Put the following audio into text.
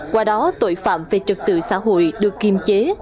qua đó tội phạm về trật tự xã hội được kiềm chế